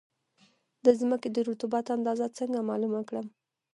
د ځمکې د رطوبت اندازه څنګه معلومه کړم؟